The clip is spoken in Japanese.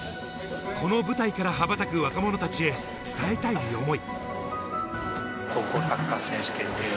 この舞台から羽ばたく若者達へ、伝えたい思い。